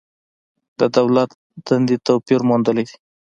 د دولت دندې توپیر موندلی دی.